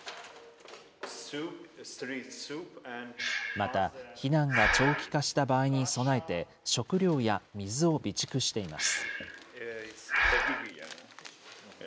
また、避難が長期化した場合に備えて、食料や水を備蓄しています。